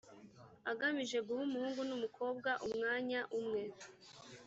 agamije guha umuhungu n’umukobwa umwanya umwe